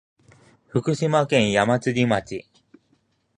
福島県矢祭町